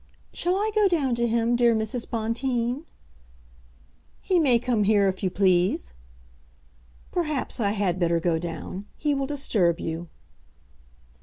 "Shall I go down to him, dear Mrs. Bonteen?" "He may come here if you please." "Perhaps I had better go down. He will disturb you."